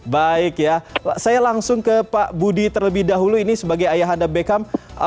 baik ya saya langsung ke pak budi terlebih dahulu ini sebagai ayah anda beckham